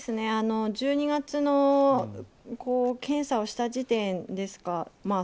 １２月の検査をした時点ですか。